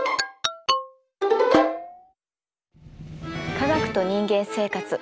「科学と人間生活」